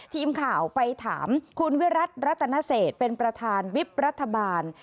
ทีมข่าวไปถามคุณวิรัติรัตนเศษเป็นประธานวิบรัฐบาล